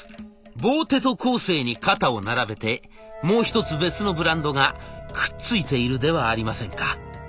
ボーテ・ド・コーセーに肩を並べてもう一つ別のブランドがくっついているではありませんか。